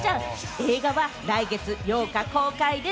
映画は来月８日公開です。